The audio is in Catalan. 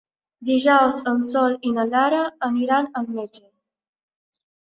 Dijous en Sol i na Lara aniran al metge.